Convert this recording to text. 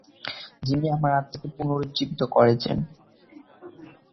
যিনি আমার আত্মাকে পুনুরুজ্জীবিত করেছেন।